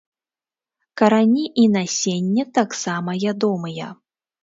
Карані і насенне таксама ядомыя.